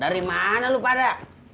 dari mana lu pada